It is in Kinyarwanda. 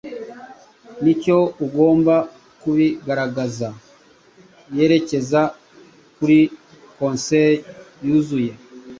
nicyo ugomba kubigaragaza yerekeza kuri Councel yuzuye